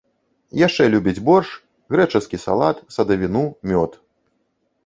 Яшчэ любіць боршч, грэчаскі салат, садавіну, мёд.